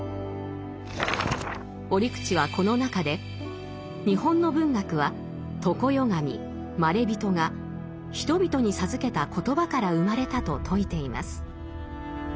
折口はこの中で「日本の文学は常世神・まれびとが人々に授けた言葉から生まれた」と説いています。